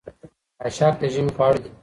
اشک د ژمي خواړه دي.